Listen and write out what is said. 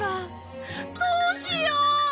どうしよう！